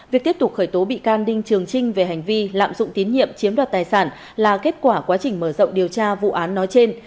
việc tiếp tục khởi tố bị can đinh trường trinh về hành vi lạm dụng tín nhiệm chiếm đoạt tài sản là kết quả quá trình mở rộng điều tra vụ án nói trên